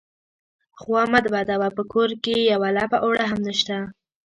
_خوا مه بدوه، په کور کې يوه لپه اوړه هم نشته.